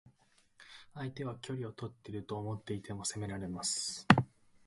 相手は距離をとっていると思っていても攻められます。